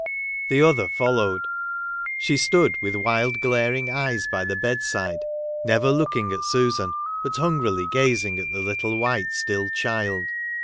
The other followed. She stood with wild glaring eyes by the bedside, never looking at Susan, but hungrily gazing at the little white still child.